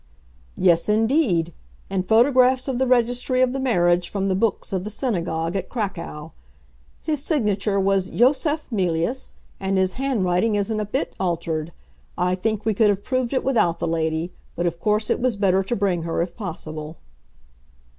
"Yes, indeed; and photographs of the registry of the marriage from the books of the synagogue at Cracow. His signature was Yosef Mealyus, and his handwriting isn't a bit altered. I think we could have proved it without the lady; but of course it was better to bring her if possible."